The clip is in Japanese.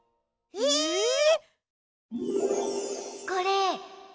えっ！